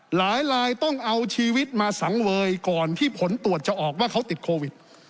หลายลายต้องเอาชีวิตมาสังเวยก่อนที่ผลตรวจจะออกว่าเขาติดโควิด